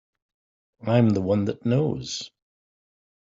I'm the one that knows.